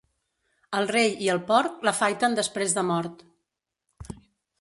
Al rei i al porc, l'afaiten després de mort.